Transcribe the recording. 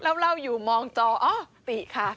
แล้วเราอยู่มองจออ้อตินักข่าวค่ะ